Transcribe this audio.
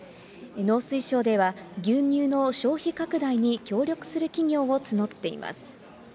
農水省では、牛乳の消費拡大に協力する企業を募っています。